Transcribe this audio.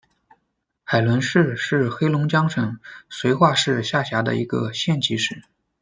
海伦市是黑龙江省绥化市下辖的一个县级市。